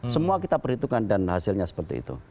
semua kita perhitungkan dan hasilnya seperti itu